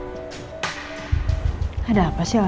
tidak ada apa apa makasih ya mbak